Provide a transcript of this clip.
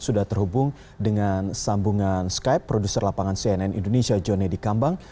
sudah terhubung dengan sambungan skype produser lapangan cnn indonesia jone di kambang